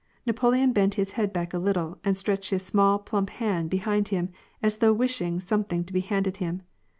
Napoleon bent his head back a little, and stretched his small, plump hand behind him, as though wishing some> thing to be handed him.